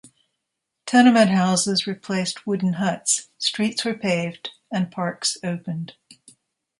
Tenement houses replaced wooden huts, streets were paved and parks opened.